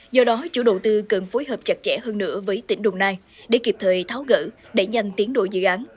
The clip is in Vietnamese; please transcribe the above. do đó chủ đầu tư cần phối hợp chặt chẽ hơn nữa với tỉnh đồng nai để kịp thời tháo gỡ đẩy nhanh tiến độ dự án